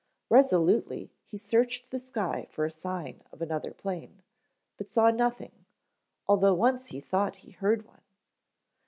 Resolutely he searched the sky for a sign of another plane, but saw nothing, although once he thought he heard one.